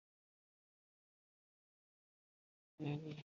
umutwe wa kabiri inshingano zubutegetsi